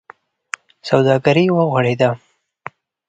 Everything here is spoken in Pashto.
سوداګري و غوړېده.